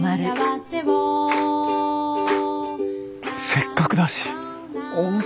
せっかくだし温泉